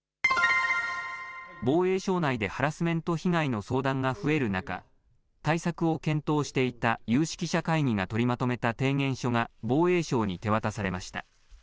防衛省内でハラスメント被害の相談が増える中、対策を検討していた有識者会議が取りまとめた提言書が防衛省に手渡されました。